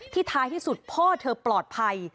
ท้ายที่สุดพ่อเธอปลอดภัย